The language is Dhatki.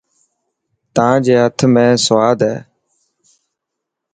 تان جي هٿ ۾ سواد هي.